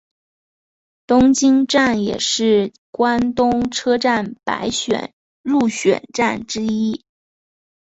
东京站也是关东车站百选入选站之一。